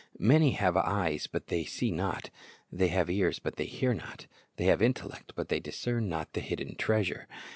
Many have eyes, but they see not; they have ears, but they hear not; they have intellect, but they discern not the hidden treasure.